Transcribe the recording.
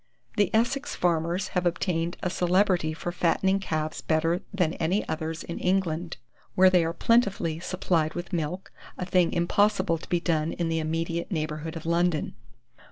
The Essex farmers have obtained a celebrity for fattening calves better than any others in England, where they are plentifully supplied with milk, a thing impossible to be done in the immediate neighbourhood of London.